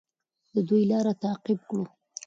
د دوی لار تعقیب کړو.